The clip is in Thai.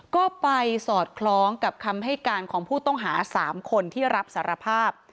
ก็ไปสอดคล้องกับคำให้การของผู้ต้องหา๓คนที่รับสารภาพ